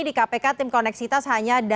di kpk tim koneksitas hanya